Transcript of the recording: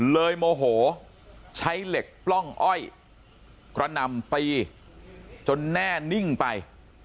เลยโมโหใช้เหล็กปล้องอ้อยเพราะนำไปจนแน่นิ่งไป